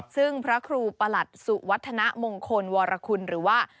ซึ่งพระครูประหลัดสุวัฒนมงคลวรคุณหรือว่า